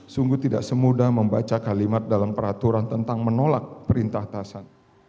sungguh tidak semudah membaca kalimat dalam peraturan tentang menolak perintah atasan